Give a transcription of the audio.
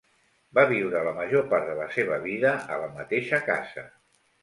Va viure la major part de la seva vida a la mateixa casa.